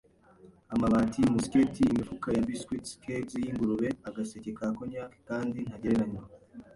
amabati, musketi, imifuka ya biscuits, kegs yingurube, agaseke ka cognac, kandi ntagereranywa